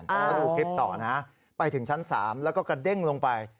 แล้วดูคลิปต่อนะไปถึงชั้น๓แล้วก็กระเด้งลงไป